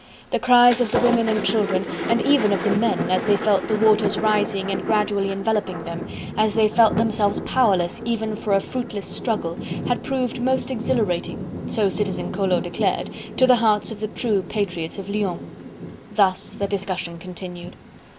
The cries of the women and children, and even of the men, as they felt the waters rising and gradually enveloping them, as they felt themselves powerless even for a fruitless struggle, had proved most exhilarating, so Citizen Collot declared, to the hearts of the true patriots of Lyons. Thus the discussion continued.